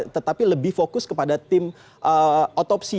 tetapi lebih fokus kepada tim otopsi